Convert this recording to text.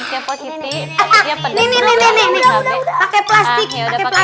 lihatlah dia mau ngulek